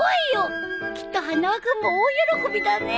きっと花輪君も大喜びだね。